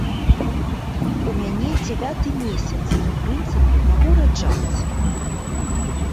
У мяне дзявяты месяц, у прынцыпе, магу раджаць.